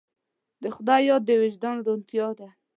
د خدای یاد د وجدان روڼتیا ده.